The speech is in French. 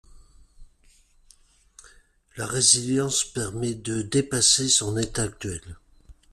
La résilience permet de dépasser son état actuel.